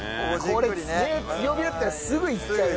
これ強火だったらすぐいっちゃうよ。